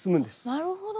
なるほど。